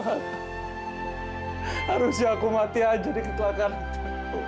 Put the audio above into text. harusnya aku mati aja di kegelangan itu